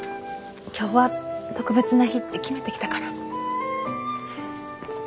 今日は特別な日って決めて来たから。